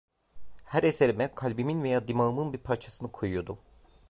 Her eserime kalbimin veya dimağımın bir parçasını koyuyordum.